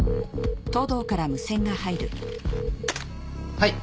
はい。